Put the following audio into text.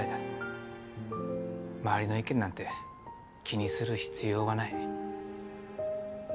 周りの意見なんて気にする必要はない。